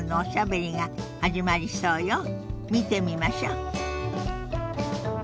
見てみましょ。